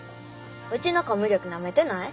うちのコミュ力なめてない？